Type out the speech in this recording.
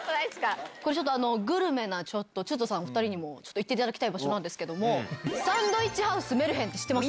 グルメなちょっと、チュートさん２人にもちょっと行っていただきたい場所なんですけど、サンドイッチハウスメルヘンって知ってます？